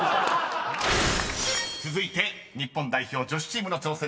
［続いて日本代表女子チームの挑戦です］